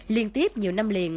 liên tiếp nhiều năm liền